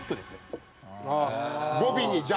語尾に「じゃ」。